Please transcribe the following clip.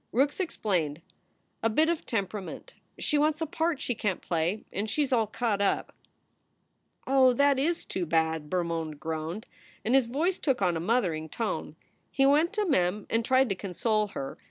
216 SOULS FOR SALE Rookes explained: "A bit of temperament. She wants a part she can t play, and she s all cut up." "Oh, that is too bad!" Bermond groaned, and his voice took on a mothering tone. He went to Mem and tried to console her.